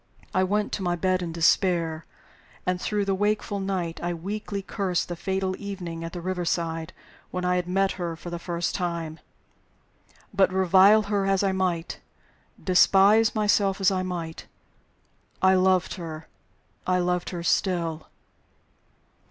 I went to my bed in despair; and through the wakeful night I weakly cursed the fatal evening at the river side when I had met her for the first time. But revile her as I might, despise myself as I might, I loved her I loved her still!